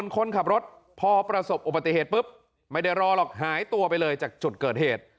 คนขับรถพอประสบอุบัติเหตุปุ๊บไม่ได้รอหรอกหายตัวไปเลยจากจุดเกิดเหตุ